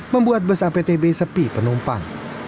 membuat bus aptb sepi penumpang